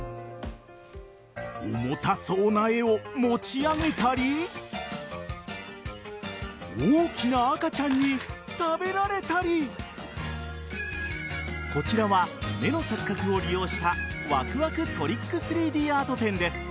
重たそうな絵を持ち上げたり大きな赤ちゃんに食べられたりこちらは目の錯覚を利用したわくわくトリック